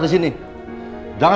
dan piengin dia